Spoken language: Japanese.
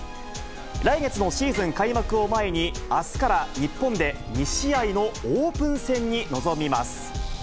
来月のシーズン開幕を前に、あすから日本で２試合のオープン戦に臨みます。